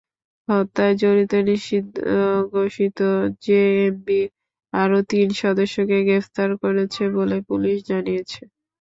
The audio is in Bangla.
হত্যায় জড়িত নিষিদ্ধঘোষিত জেএমবির আরও তিন সদস্যকে গ্রেপ্তার করেছে বলে পুলিশ জানিয়েছে।